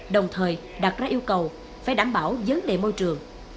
đồng thời đặt ra yêu cầu phải đảm bảo vấn đề môi trường